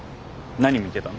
何見てたの？